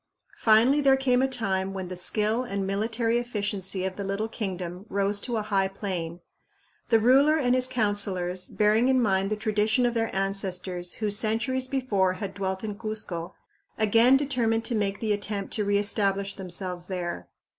Finally, there came a time when the skill and military efficiency of the little kingdom rose to a high plane. The ruler and his councilors, bearing in mind the tradition of their ancestors who centuries before had dwelt in Cuzco, again determined to make the attempt to reestablish themselves there.